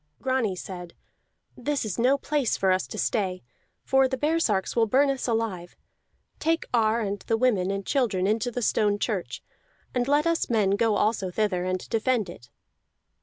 Grani said: "This is no place for us to stay, for the baresarks will burn us alive. Take Ar and the women and children into the stone church, and let us men go also thither and defend it."